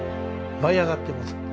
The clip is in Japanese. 舞い上がってます。